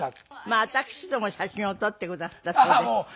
まあ私とも写真を撮ってくだすったそうで。